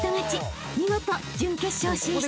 ［見事準決勝進出］